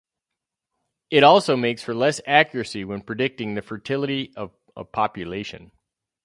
It also makes for less accuracy when predicting the fertility of a population.